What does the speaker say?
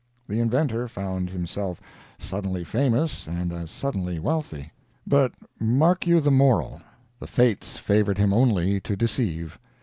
The inventor found himself suddenly famous and as suddenly wealthy. But mark you the moral. The fates favored him only to deceive.